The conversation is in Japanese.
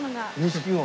錦鯉？